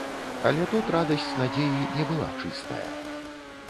Але тут радасць надзеі не была чыстая.